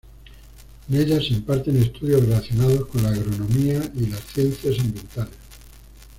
En ella se imparten estudios relacionados con la agronomía y las ciencias ambientales.